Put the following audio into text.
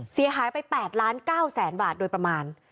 เสียหายไป๘ล้าน๙แสนบาทโดยประมาณ